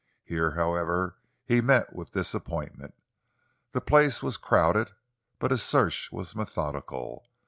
Here, however, he met with disappointment. The place was crowded but his search was methodical.